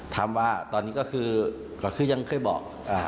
ถามว่าตอนนี้ก็คือเราก็คือยังเคยบอก